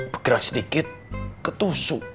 bergerak sedikit ketusu